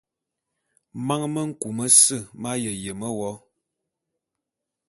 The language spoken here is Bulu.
Man me nku mese m'aye yeme wo.